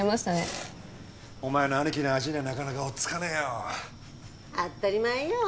お前の兄貴の味にはなかなか追っつかねえよ。当たり前よ！